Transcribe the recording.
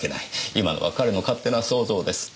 今のは彼の勝手な想像です。